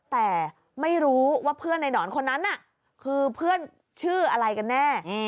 แต่ไม่รู้ว่าเพื่อนในหนอนคนนั้นน่ะคือเพื่อนชื่ออะไรกันแน่